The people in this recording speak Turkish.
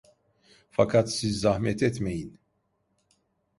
Fakat siz zahmet etmeyin!